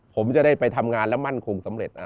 ผมจะได้ไปทำงานและมั่นคงสำเร็จ